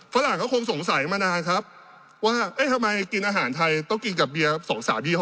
ฝรั่งก็คงสงสัยมานานครับว่าเอ๊ะทำไมกินอาหารไทยต้องกินกับเบียร์๒๓ยี่ห